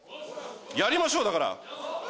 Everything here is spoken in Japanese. やりましょう、だから。